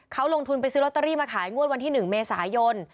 เขาลงทุนไปซื้อลอตเตอรี่มาขายงวดวันที่๑เมษายน